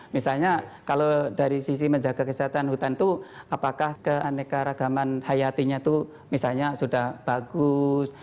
misalnya kalau dari sisi menjaga kesehatan hutan itu apakah keanekaragaman hayatinya itu misalnya sudah bagus